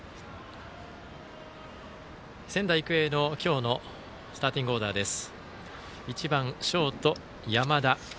仙台育英の今日のスターティングオーダーです。